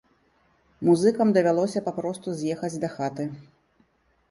Музыкам давялося папросту з'ехаць дахаты.